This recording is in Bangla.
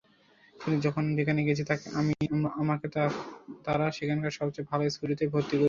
কিন্তু যখন যেখানে গিয়েছি, আমাকে তাঁরা সেখানকার সবচেয়ে ভালো স্কুলটিতেই ভর্তি করিয়েছেন।